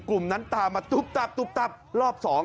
กลุ่มนั้นตามมาตุ๊บตับรอบสอง